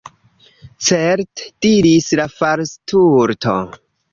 "Certe," diris la Falsturto.